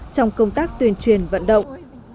trong công tác tuyên truyền vận động